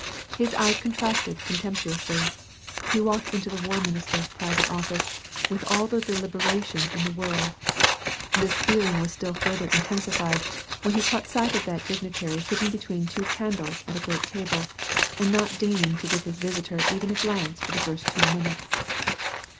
His eyes contracted contemptuously; he walked into the war minister's private office with all the delib eration in the world. This feeling was still further intensified when he caught sight of that dignitary sitting between two candles at a great table, and not deigning to give his visitor even a glance for the first two minutes.